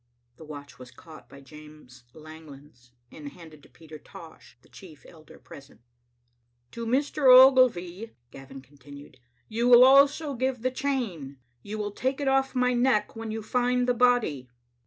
The watch was caught by James Langlands, and handed to Peter Tosh, the chief elder present. "To Mr. Ogilvy," Gavin continued, "you will also give the chain. You will take it ofif my neck when you find the body.